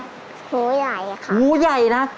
ขอบคุณครับ